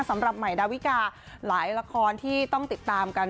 สำหรับใหม่ดาวิกาหลายละครที่ต้องติดตามกัน